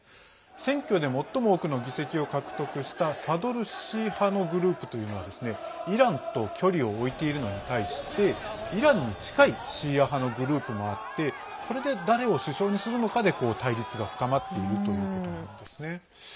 選挙で最も多くの議席を獲得したサドル師派のグループというのはイランと距離を置いているのに対してイランに近いシーア派のグループもあってこれで誰を首相にするのかで対立が深まっているということなんですね。